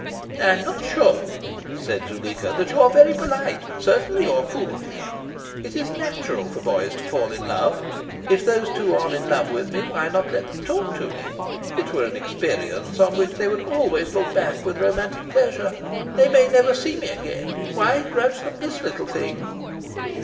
"I am not sure," said Zuleika, "that you are very polite. Certainly you are foolish. It is natural for boys to fall in love. If these two are in love with me, why not let them talk to me? It were an experience on which they would always look back with romantic pleasure. They may never see me again. Why grudge them this little thing?"